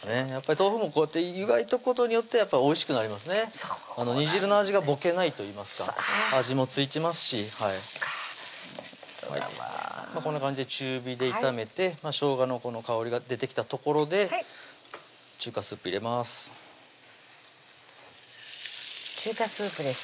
豆腐もこうやって湯がいておくことによってやっぱりおいしくなりますね煮汁の味がぼけないといいますか味も付きますしはいそうかこんな感じで中火で炒めてしょうがのこの香りが出てきたところで中華スープ入れます中華スープです